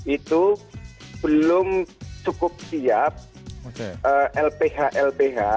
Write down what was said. itu belum cukup siap lph lph